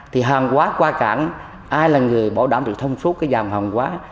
thì hàng quá qua cảng ai là người bảo đảm được thông suốt cái dòng hàng quá